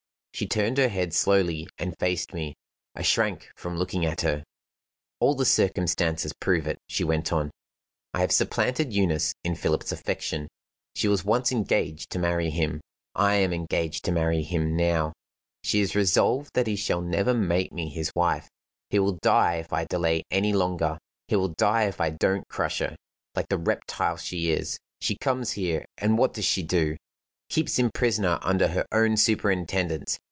She turned her head slowly and faced me. I shrank from looking at her. "All the circumstances prove it," she went on. "I have supplanted Eunice in Philip's affection. She was once engaged to marry him; I am engaged to marry him now. She is resolved that he shall never make me his wife. He will die if I delay any longer. He will die if I don't crush her, like the reptile she is. She comes here and what does she do? Keeps him prisoner under her own superintendence.